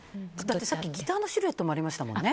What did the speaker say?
さっきギターのシルエットもありましたもんね。